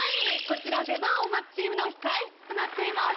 こちら出番を待つチームの控室となっています。